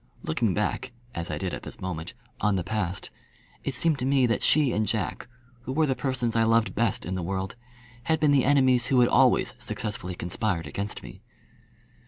Looking back as I did at this moment on the past, it seemed to me that she and Jack, who were the two persons I loved best in the world, had been the enemies who had always successfully conspired against me.